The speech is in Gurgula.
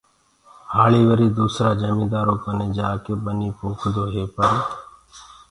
هآݪي وري دوسرآ جميندآرو ڪني جآڪي ٻني پوکدو هي پر